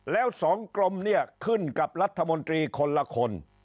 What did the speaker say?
แล้วสองกลมเนี่ยขึ้นกับรัฐมนตรีคนละคน